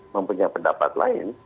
mempunyai pendapat lain